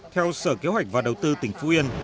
theo sở kế hoạch và đầu tư tỉnh phú yên